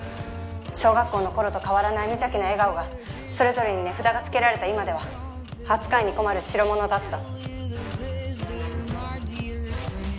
小学校の頃と変わらない無邪気な笑顔がそれぞれに値札がつけられた今では扱いに困るしろものだった。